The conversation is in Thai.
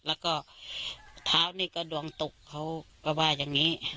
แล้วก็เท้านี่ก็ดวงตกเขาก็ว่าอย่างนี้